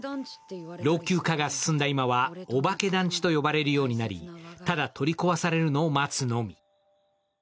老朽化が進んだ今はおばけ団地と言われるようになりただ取り壊されるのを待つのみ。